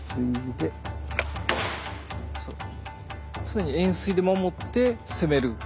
常に円錐で守って攻める。